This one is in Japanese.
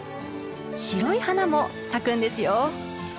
白い花も咲くんですよ。